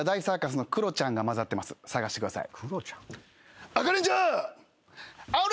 捜してください。